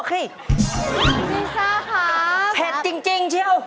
เผ็ดจริงเที่ยว